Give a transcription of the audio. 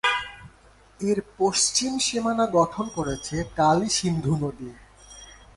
এর পশ্চিম সীমানা গঠন করেছে কালী সিন্ধু নদী।